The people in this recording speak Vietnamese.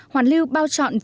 hoàn lưu bao chọn vịnh bắc bộ